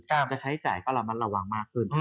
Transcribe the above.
จะใช้จ่ายก็ระมัดระวังมากขึ้น